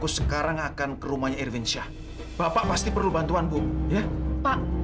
sampai jumpa di video selanjutnya